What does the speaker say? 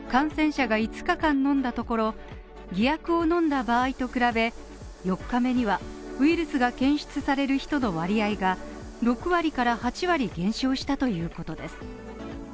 偽薬を飲んだ場合と比べ、４日目にはウイルスが検出される人の割合が、６割から８割減少したということです。